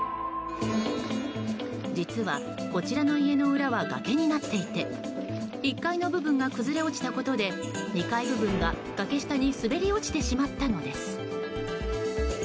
実はこちらの家の裏は崖になっていて１階の部分が崩れ落ちたことで２階部分が崖下に滑り落ちてしまったのです。